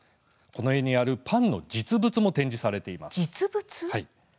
この絵にあるパンの実物も展示されていました。